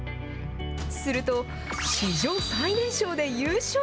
すると、史上最年少で優勝！